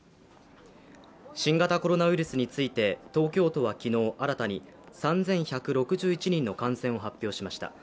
新型コロナウイルスについて、東京都は昨日新たに３１６１人の感染を発表しました。